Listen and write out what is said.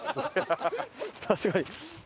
確かに。